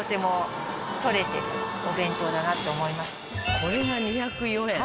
これが２０４円。